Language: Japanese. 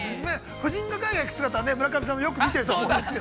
夫人が海外に行く姿は、村上さんもよく見ていると思うんですけれども。